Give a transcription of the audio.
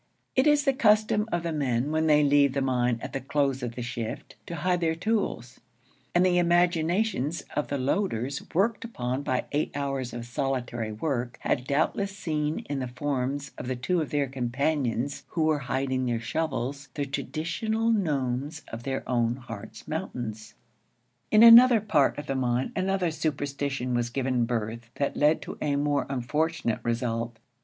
It is the custom of the men, when they leave the mine at the close of the shift, to hide their tools; and the imaginations of the loaders, worked upon by eight hours of solitary work, had doubtless seen in the forms of two of their companions who were hiding their shovels the traditional gnomes of their own Hartz Mountains. In another part of the mine another superstition was given birth that led to a more unfortunate result.